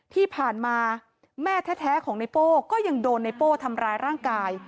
ที่ผ่านมาแม่แท้ของในโป้ก็ยังโดนไนโป้ทำร้ายร่างกาย